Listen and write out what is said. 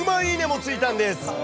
いいねもついたんです。